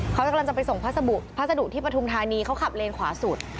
เขากำลังจะไปส่งพัสดุพัสดุที่ปฐุมธานีเขาขับเลนขวาสุด